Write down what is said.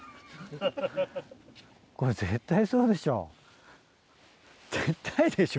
これ絶対そうでしょ。